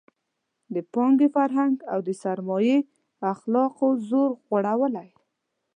د پانګې فرهنګ او د سرمایې اخلاقو وزر غوړولی.